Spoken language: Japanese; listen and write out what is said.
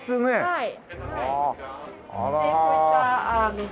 はい。